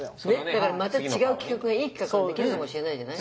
だからまた違う企画がいい企画ができるかもしれないじゃない。